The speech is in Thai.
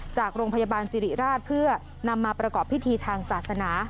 จากโรงพยาบาลสิริราชเพื่อนำมาประกอบพิธีทางศาสนา